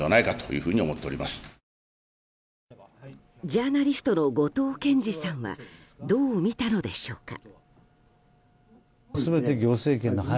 ジャーナリストの後藤謙次さんはどう見たのでしょうか。